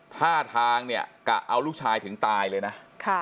ท่าทางเนี่ยกะเอาลูกชายถึงตายเลยนะ